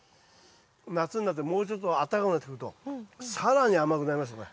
夏になってもうちょっとあったかくなってくると更に甘くなりますこれ。